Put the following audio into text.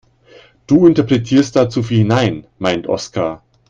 Du interpretierst da zu viel hinein, meint Oskar.